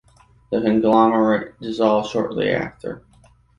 The conglomerate dissolved shortly after.